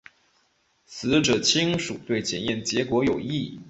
死者亲属对检验结果有异。